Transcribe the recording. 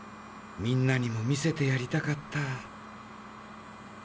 みんなにも見せてやりたかった。